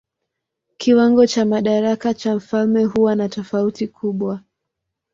Kiwango cha madaraka cha mfalme huwa na tofauti kubwa.